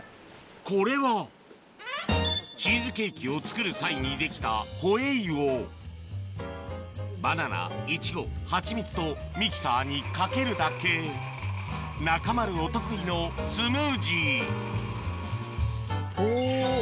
これはチーズケーキを作る際にできたホエイをバナナイチゴハチミツとミキサーにかけるだけ中丸お得意のスムージーおぉ。